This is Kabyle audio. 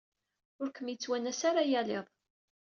Ur ken-yettwanas ara yal iḍ.